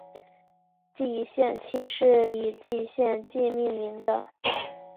蓟县期是以蓟县纪命名的。